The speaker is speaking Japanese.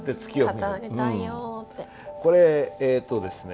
これえっとですね